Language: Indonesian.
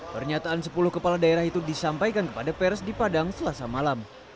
pernyataan sepuluh kepala daerah itu disampaikan kepada pers di padang selasa malam